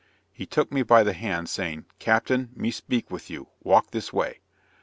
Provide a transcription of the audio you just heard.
He took me by the hand, saying, "Captain, me speak with you, walk this way."